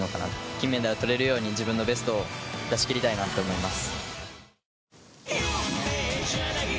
金メダルとれるようにベストを出しきりたいなと思います。